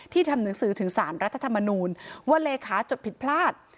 ทำหนังสือถึงสารรัฐธรรมนูลว่าเลขาจดผิดพลาด